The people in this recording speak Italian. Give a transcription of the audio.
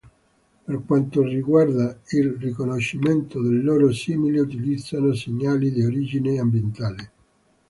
Per quanto riguarda il riconoscimento dei loro simili, utilizzano segnali di origine ambientale.